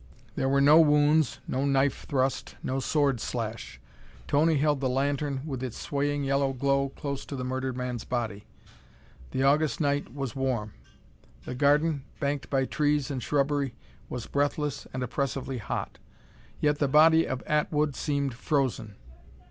There were no wounds, no knife thrust, no sword slash. Tony held the lantern with its swaying yellow glow close to the murdered man's body. The August night was warm; the garden, banked by trees and shrubbery, was breathless and oppressively hot; yet the body of Atwood seemed frozen!